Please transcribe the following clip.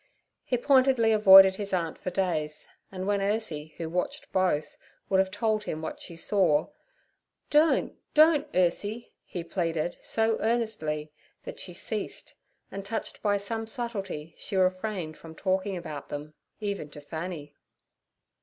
He pointedly avoided his aunt for days, and when Ursie, who watched both, would have told him what she saw, 'don't, don't, Ursie!' he pleaded so earnestly that she ceased, and, touched by some subtlety, she refrained from talking about them, even to Fanny.